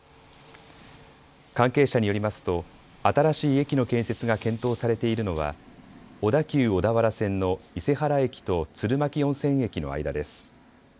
関係者によりますと新しい駅の建設が検討されているのは小田急小田原線の伊勢原駅と鶴巻温泉駅の間です。